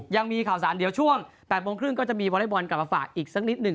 ยังมีข่าวสารเดี๋ยวช่วง๘โมงครึ่งก็จะมีวอเล็กบอลกลับมาฝากอีกสักนิดหนึ่ง